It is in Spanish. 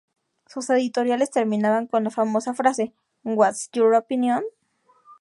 Sus editoriales terminaban con la famosa frase: ""What's your opinion?